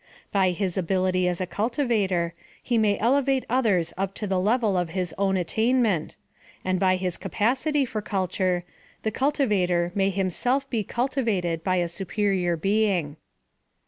By his ability as a cultivator, he may elevate others up to the level of his own attainment, and by his capacity for culture, the cultivator may himself be cultivated by a superior being.